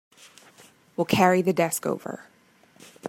We'll carry the desk over.